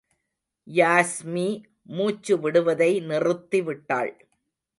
யாஸ்மி, மூச்சு விடுவதை நிறுத்திவிட்டாள்.